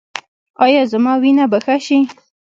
ایا زما وینه به ښه شي؟